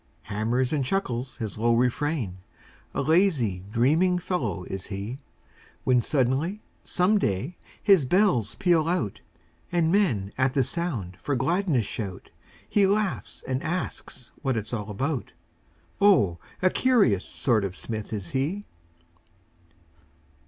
Hammers and chuckles his low refrain, A lazy, dreaming fellow is he: When sudden, some day, his bells peal out, And men, at the sound, for gladness shout; He laughs and asks what it's all about; Oh, a curious sort of smith is he.